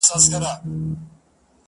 په لسګونو موږکان دلته اوسېږي.